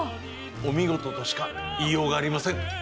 お見事としか言いようがありません。